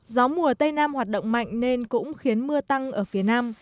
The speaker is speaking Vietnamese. gió mùa tây nam hoạt động mạnh nên cũng khiến mưa tăng ở phía nam